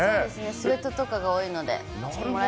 スエットとかが多いので。